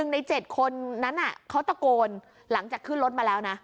ใน๗คนนั้นเขาตะโกนหลังจากขึ้นรถมาแล้วนะ